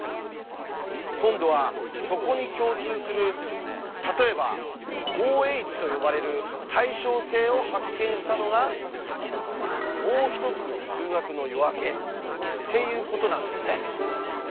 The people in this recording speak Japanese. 今度はそこに共通する例えば「Ｏ」と呼ばれる「対称性」を発見したのが「もう一つの数学の夜明け」っていうことなんですね。